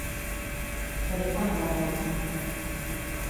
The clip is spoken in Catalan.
Què li fan a l'hereu?